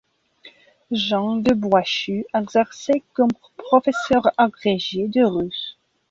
Jean de Boishue exerçait comme professeur agrégé de russe.